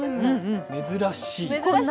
珍しい。